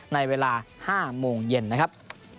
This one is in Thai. ในเวลา๕โมงเย็นนะครับ